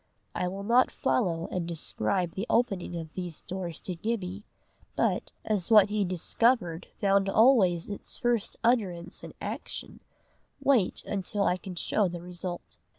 I will not follow and describe the opening of these doors to Gibbie, but, as what he discovered found always its first utterance in action, wait until I can show the result.